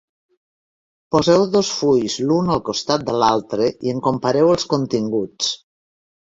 Poseu dos fulls l'un al costat de l'altre i en compareu els continguts.